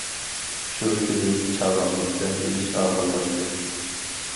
شۇ كۈنى، چاغانلىق دەم ئېلىش ئاخىرلاشتى.